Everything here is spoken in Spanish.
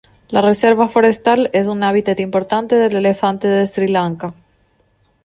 La reserva forestal es un hábitat importante del elefante de Sri Lanka.